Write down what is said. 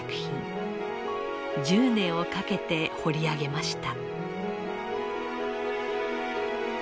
１０年をかけて彫り上げました。